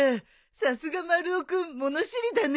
さすが丸尾君物知りだね。